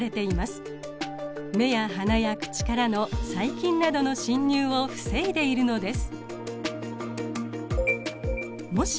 目や鼻や口からの細菌などの侵入を防いでいるのです。